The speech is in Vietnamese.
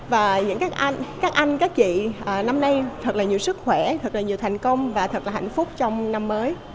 và những các anh các anh các chị năm nay thật là nhiều sức khỏe thật là nhiều thành công và thật là hạnh phúc trong năm mới